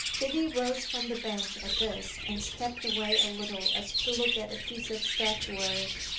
Biddy rose from the bench at this and stepped away a little as to look at a piece of statuary.